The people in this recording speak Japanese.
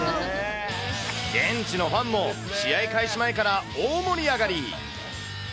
現地のファンも、試合開始前から大盛り上がり。